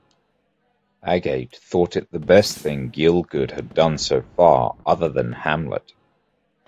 Agate thought it the best thing Gielgud had done so far, other than Hamlet.